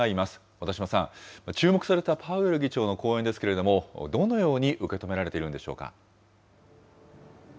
小田島さん、注目されたパウエル議長の講演ですけれども、どのように受け止められているんでしょうか。